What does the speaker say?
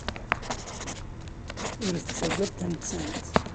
Ur tettagad tamettant.